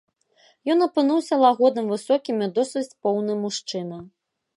Ён апынуўся лагодным, высокім і досыць поўны мужчына.